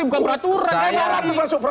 kita bicara mundur